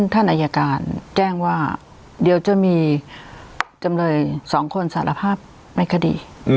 ท่านอายการแจ้งว่าเดี๋ยวจะมีจำเลย๒คนสารภาพในคดี